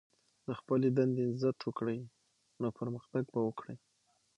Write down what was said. د خپلي دندې عزت وکړئ، نو پرمختګ به وکړئ!